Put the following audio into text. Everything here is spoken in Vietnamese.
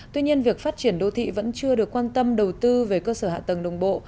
tuy nhiên việc phát triển đô thị vẫn chưa được quan tâm đầu tư về cơ sở hạ tầng đồng bộ